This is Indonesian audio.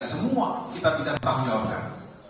semua kita bisa bertanggung jawabkan